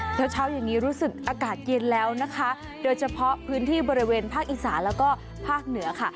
เช้าเช้าอย่างนี้รู้สึกอากาศเย็นแล้วนะคะโดยเฉพาะพื้นที่บริเวณภาคอีสานแล้วก็ภาคเหนือค่ะ